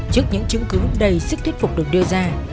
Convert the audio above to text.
trước những chứng cứ đầy sức thuyết phục được đưa ra